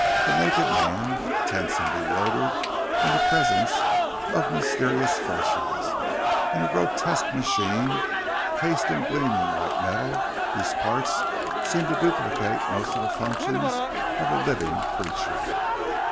A naked man, tense and bewildered in the presence of mysterious forces and a grotesque machine, cased in gleaming white metal, whose parts seemed to duplicate most of the functions of a living creature.